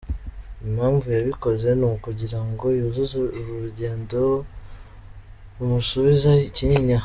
Impamvu yabikoze ni ukugira ngo yuzuze ay’urugendo rumusubiza i Kinyinya.